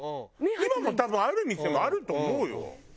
今も多分ある店はあると思うよ。